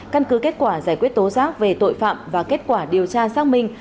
căn cứ kết quả giải quyết tố giác về tội phạm và kết quả điều tra xác minh